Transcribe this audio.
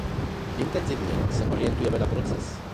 Intenzivně se orientujeme na proces.